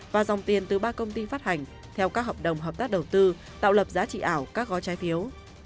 và dòng tiền từ ba công ty phát hành theo các hợp đồng hợp tác đầu tư tạo lập giá trị ảo các gói trái phiếu